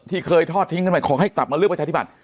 เคยทอดทิ้งกันไปขอให้กลับมาเลือกประชาธิบัติ